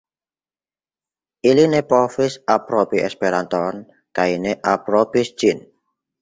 Ili ne povis aprobi Esperanton kaj ne aprobis ĝin.